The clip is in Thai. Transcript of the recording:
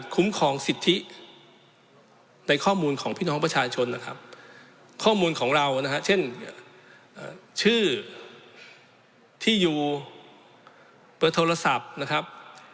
ของเรานะครับเช่นชื่อที่อยู่เบอร์โทรศัพท์นะครับ